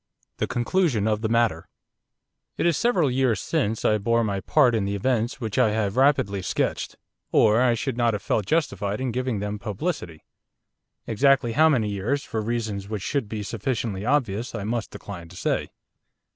THE CONCLUSION OF THE MATTER It is several years since I bore my part in the events which I have rapidly sketched, or I should not have felt justified in giving them publicity. Exactly how many years, for reasons which should be sufficiently obvious, I must decline to say.